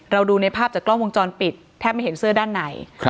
ดูในภาพจากกล้องวงจรปิดแทบไม่เห็นเสื้อด้านใน